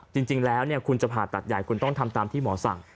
จริงแล้วคุณจะผ่าตัดใหญ่คุณต้องทำตามที่หมอสั่ง